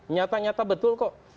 nyata nyata betul kok